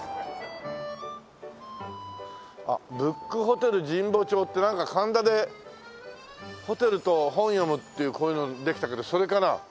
「ＢＯＯＫＨＯＴＥＬ神保町」ってなんか神田でホテルと本読むっていうこういうのできたけどそれかな？